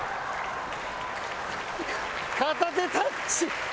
片手タッチ！